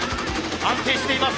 安定しています。